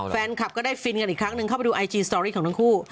แฟนคลับก็ได้ฟินกันอีกครั้งหนึ่งเข้าไปดูไอจีสตอรี่ของทั้งคู่